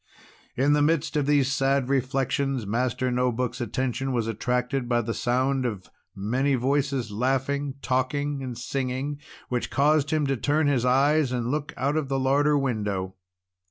In the midst of these sad reflections, Master No Book's attention was attracted by the sound of many voices laughing, talking, and singing, which caused him to turn his eyes and look out of the larder window.